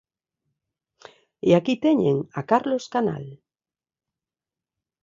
E aquí teñen a Carlos Canal.